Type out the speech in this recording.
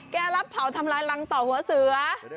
แกรับเผาทำลายรังต่อหัวเสือ